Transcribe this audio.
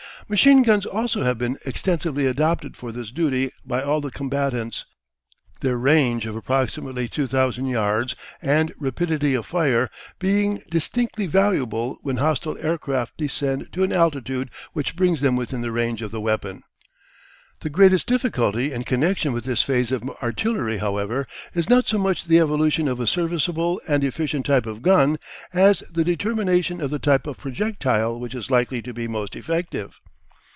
Machine guns also have been extensively adopted for this duty by all the combatants, their range of approximately 2,000 yards and rapidity of fire being distinctly valuable when hostile aircraft descend to an altitude which brings them within the range of the weapon. The greatest difficulty in connection with this phase of artillery, however, is not so much the evolution of a serviceable and efficient type of gun, as the determination of the type of projectile which is likely to be most effective.